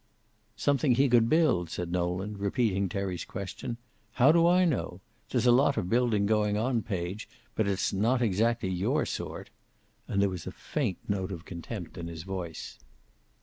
"Something he could build?" said Nolan, repeating Terry's question. "How do I know? There's a lot of building going on, Page, but it's not exactly your sort." And there was a faint note of contempt in his voice.